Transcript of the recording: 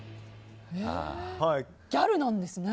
ギャルなんですね。